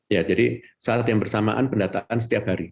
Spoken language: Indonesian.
ya jadi saat yang bersamaan pendataan setiap hari